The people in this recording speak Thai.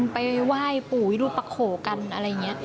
ไปไหว้ปู่รูปะโขกันอะไรอย่างนี้